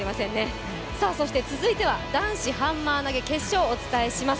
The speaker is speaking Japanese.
続いては、男子ハンマー投決勝をお伝えします。